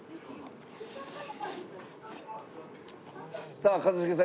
さあ一茂さん